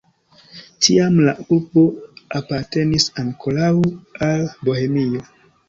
Tiam la urbo apartenis ankoraŭ al Bohemio.